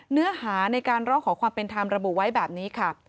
เนื้อหาในการร้องขอความเป็นธรรมระบุไว้แบบนี้ค่ะ